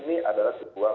baik mas ferry